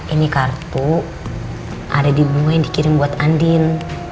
ini kartu ada di bunga yang dikirim buat andin